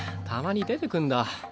たまに出てくんだ。